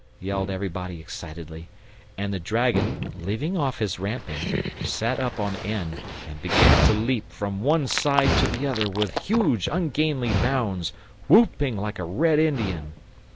yelled everybody excitedly; and the dragon, leaving off his ramping, sat up on end, and began to leap from one side to the other with huge ungainly bounds, whooping like a Red Indian.